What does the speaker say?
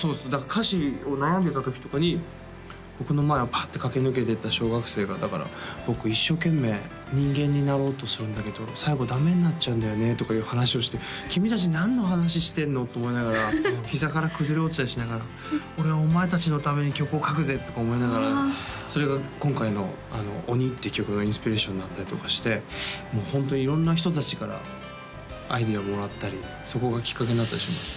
歌詞を悩んでた時とかに僕の前をパッて駆け抜けてった小学生が僕一生懸命人間になろうとするんだけど最後ダメになっちゃうんだよねとかいう話をして君達何の話してんの？と思いながら膝から崩れ落ちたりしながら俺はお前達のために曲を書くぜとか思いながらそれが今回の「ＯＮＩ」って曲のインスピレーションになったりとかしてもうホントに色んな人達からアイデアもらったりそこがきっかけになったりします